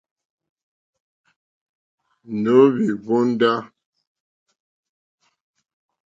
Nǒhwì hwóndá.